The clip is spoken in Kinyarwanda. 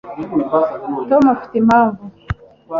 tom afite impamvu